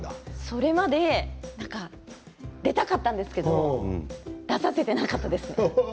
それまで出たかったんですけど出させていなかったです。